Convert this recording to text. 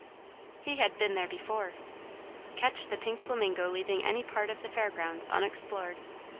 He had been there before. Catch the pink flamingo leaving any part of the Fair Grounds unexplored!